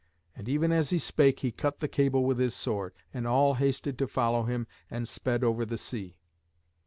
And even as he spake he cut the cable with his sword. And all hasted to follow him, and sped over the sea.